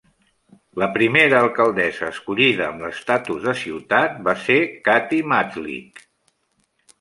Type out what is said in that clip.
La primera alcaldessa escollida amb l'estatus de ciutat va ser Kathy Majdlik.